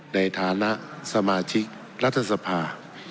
ในฐานะสมาชิกรัฐสภา